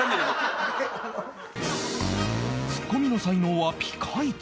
ツッコミの才能はピカイチ